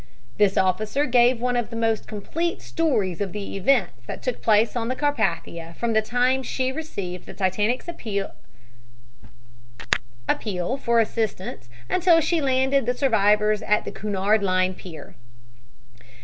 This officer gave one of the most complete stories of the events that took place on the Carpathia from the time she received the Titanic's appeal for assistance until she landed the survivors at the Cunard Line pier.